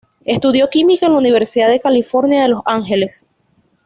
Estudió química en la Universidad de California de Los Ángeles.